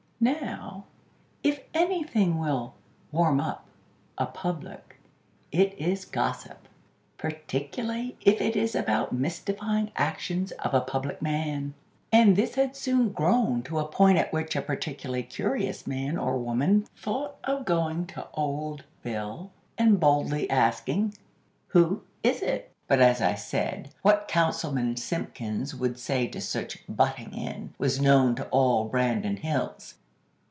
Now, if anything will "warm up" a public, it is gossip; particularly if it is about mystifying actions of a public man; and this had soon grown to a point at which a particularly curious man or woman thought of going to Old Bill and boldly asking: "Who is it?" But, as I said, what Councilman Simpkins would say to such "butting in" was known to all Branton Hills.